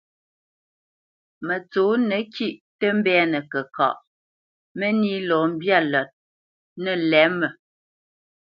Mətsǒnə kîʼ tə mbɛ́nə kəkaʼ, mə́nī lɔ mbyâ lət nə̂ lɛ̌mə.